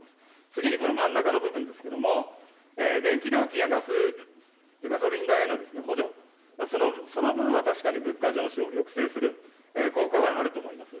次にこの真ん中の部分ですけれども、電気料金やガソリン代への補助、その分は確かに物価上昇を抑制する効果はあると思います。